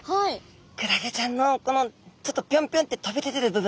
クラゲちゃんのこのちょっとぴょんぴょんって飛び出てる部分。